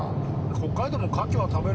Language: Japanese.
北海道も「カキ」は食べるけど。